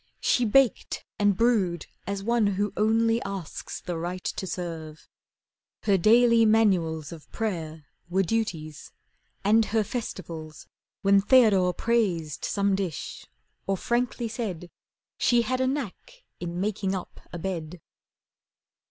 She baked and brewed as one who only asks The right to serve. Her daily manuals Of prayer were duties, and her festivals When Theodore praised some dish, or frankly said She had a knack in making up a bed.